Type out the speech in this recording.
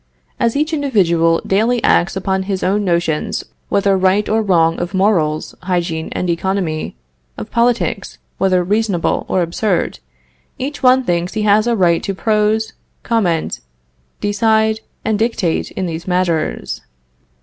As each individual daily acts upon his own notions whether right or wrong, of morals, hygiene, and economy; of politics, whether reasonable or absurd, each one thinks he has a right to prose, comment, decide, and dictate in these matters.